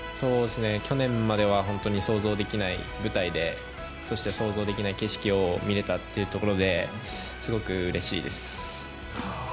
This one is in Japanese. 去年までは本当に想像できない舞台で、そして想像できない景色を見れたというところで、すごくうれしいです。